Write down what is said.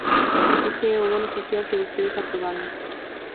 Ese é o bono social que vostedes aprobaron.